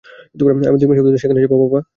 আমি দুই মাসের মধ্যে সেখানে যাব, পাপা।